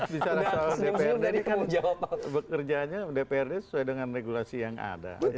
bisa soal dprd ini kan bekerjaannya dprd sesuai dengan regulasi yang ada